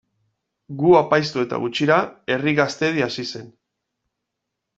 Gu apaiztu eta gutxira Herri Gaztedi hasi zen.